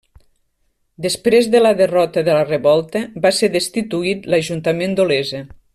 Després de la derrota de la revolta, va ser destituït l'Ajuntament d'Olesa.